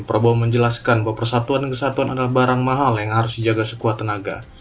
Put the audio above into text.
prabowo menjelaskan bahwa persatuan dan kesatuan adalah barang mahal yang harus dijaga sekuat tenaga